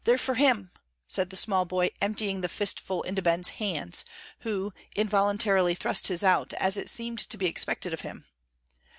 ] "They're for him," said the small boy, emptying the fistful into Ben's hands, who involuntarily thrust his out, as it seemed to be expected of him.